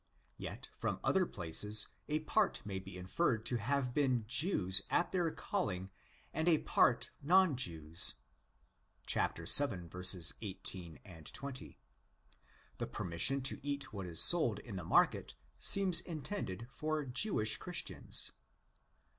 Yet from other places a part may be inferred to have been Jews at their calling and ἃ part non Jews (vil. 18, 20). The permission to eat what is sold in the market seems intended for Jewish Christians.